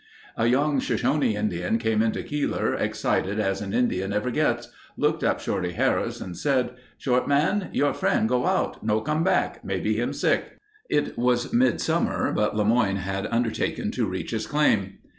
A young Shoshone Indian came into Keeler excited as an Indian ever gets, looked up Shorty Harris and said: "Short Man, your friend go out. No come back. Maybe him sick." It was midsummer, but LeMoyne had undertaken to reach his claim.